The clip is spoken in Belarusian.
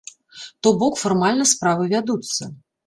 То бок фармальна справы вядуцца.